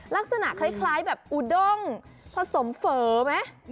ลักษณะคล้ายแบบอุด้งผสมเฝอไหม